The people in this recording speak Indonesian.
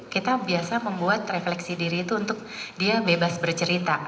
kita biasa membuat refleksi diri itu untuk dia bebas bercerita